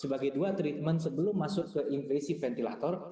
sebagai dua treatment sebelum masuk ke impresif ventilator